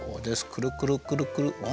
くるくるくるくる。